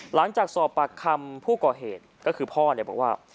หลังจากสอบปากคำผู้ก่อเหตุก็คือพ่อบอกว่า